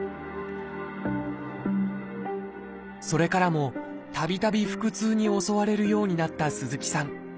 それからもたびたび腹痛に襲われるようになった鈴木さん。